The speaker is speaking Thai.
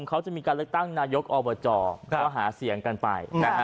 เขาจะมีการเลือกตั้งนายกอบจก็หาเสียงกันไป